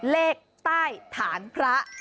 เลขใต้ฐานพระ